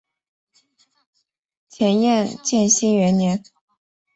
前燕建熙元年。